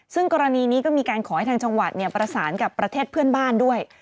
ซึ่งกรณีนี้ก็มีการขอให้ทางจังหวัดประสานกับประเทศเพื่อนบ้านด้วย